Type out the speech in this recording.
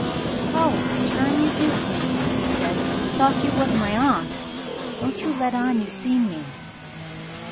"Oh, what a turn you give me!" he said; "thought you was my aunt. Don't you let on you seen me."